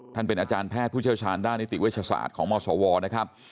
ท่านเป็นอาจารย์แพทย์ผู้เชี่ยวชาญด้านนิติเวชศาสตร์ของมศวนะครับ